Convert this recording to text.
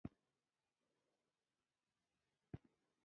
د مزد زیاته اندازه د اړتیا وړ شیانو په شکل ورکول کېده